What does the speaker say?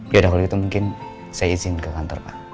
ya udah kalau gitu mungkin saya izin ke kantor pak